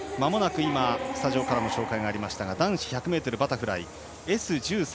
スタジオからの紹介がありましたが男子１００ｍバタフライＳ１３